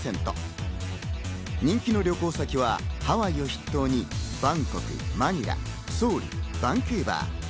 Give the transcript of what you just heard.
人気の旅行先はハワイを筆頭にバンコク、マニラ、ソウル、バンクーバー。